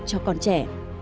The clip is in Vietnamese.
cho con trẻ